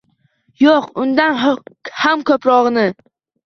- Yo'q, undan ham ko'prog'ini...